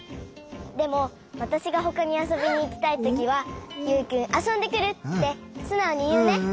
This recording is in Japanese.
でもわたしがほかにあそびにいきたいときは「ユウくんあそんでくる」ってすなおにいうね！